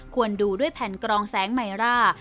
ควรดูด้วยแผ่นกรองแสงไมร่า